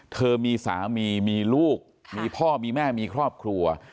เธอมีสามีมีลูกมีพ่อมีแม่มีครอบครัว